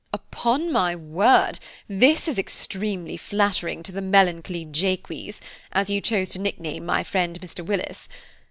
"Upon my word, this is extremely flattering to the melancholy Jacques, as you chose to nickname my friend Mr. Willis.